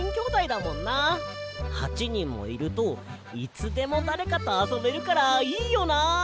８にんもいるといつでもだれかとあそべるからいいよな。